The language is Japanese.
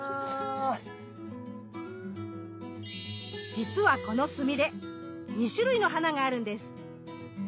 じつはこのスミレ２種類の花があるんです。